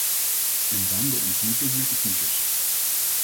En dan de ontmoeting met de kiezers.